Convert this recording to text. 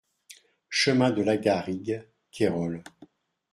Chemin de Lagarigue, Cayrols